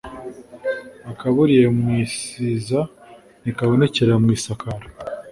Akaburiye mu isiza ntikabonekera mu isakara